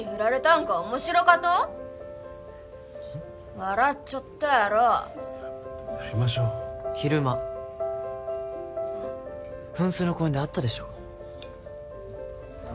笑っちょったやろやめましょう昼間うん？噴水の公園で会ったでしょああ？